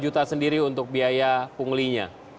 lima juta sendiri untuk biaya punglinya